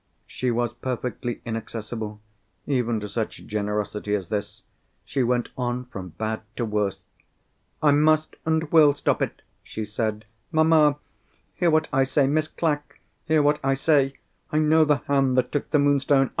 She was perfectly inaccessible, even to such generosity as this. She went on from bad to worse. "I must, and will, stop it," she said. "Mamma! hear what I say. Miss Clack! hear what I say. I know the hand that took the Moonstone.